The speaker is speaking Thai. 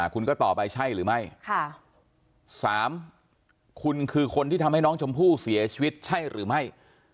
คุณก็ตอบไปใช่หรือไม่๓คุณคือคนที่ทำให้น้องชมพู่เสียชีวิตใช่หรือไม่